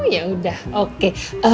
oh ya udah oke